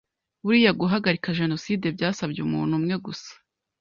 Buriya guhagarika Jenoside byasabye umuntu umwe gusa,